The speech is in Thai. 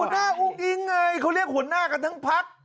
หน้าอุ้งอิ๊งไงเขาเรียกหัวหน้ากันทั้งพัก